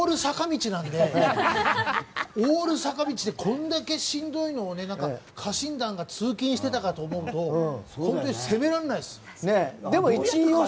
本当、オール坂道でこんだけしんどいのを家臣団が通勤していたのかと思うと本当に攻められないです。